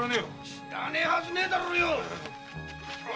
知らねえはずねえだろう